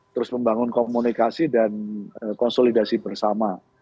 terus membangun komunikasi dan konsolidasi bersama